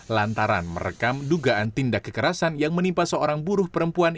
lantaran merekam dugaan tindak kekerasan yang menimpa seorang buruh perempuan